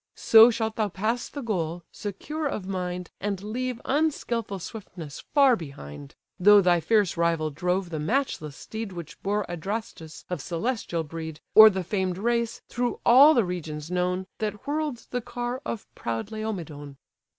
So shalt thou pass the goal, secure of mind, And leave unskilful swiftness far behind: Though thy fierce rival drove the matchless steed Which bore Adrastus, of celestial breed; Or the famed race, through all the regions known, That whirl'd the car of proud Laomedon."